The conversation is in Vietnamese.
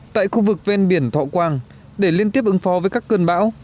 tại khu vực ven biển thọ quang để liên tiếp ứng phó với các cơn bão